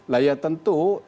nah ya tentu